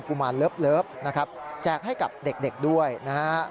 ุมารเลิฟนะครับแจกให้กับเด็กด้วยนะฮะ